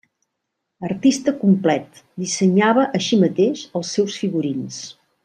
Artista complet, dissenyava, així mateix, els seus figurins.